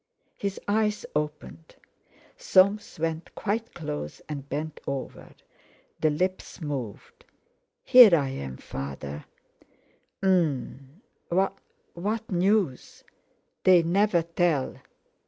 His eyes opened. Soames went quite close and bent over. The lips moved. "Here I am, Father:" "Um—what—what news? They never tell...."